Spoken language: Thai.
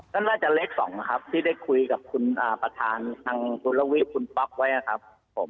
ก็น่าจะเลข๒นะครับที่ได้คุยกับคุณประธานทางคุณระวีคุณป๊อกไว้นะครับผม